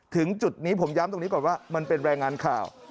ถึงจุดนี้ผมย้ำตรงนี้ก่อนว่ามันเป็นรายงานข่าว